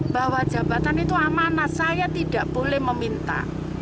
bahwa jabatan itu amanah saya tidak boleh meminta